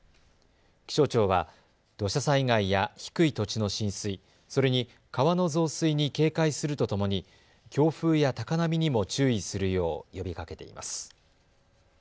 気象庁は土砂災害や低い土地の浸水、それに川の増水に警戒するとともに強風や高波にも注意するよう呼びかけています。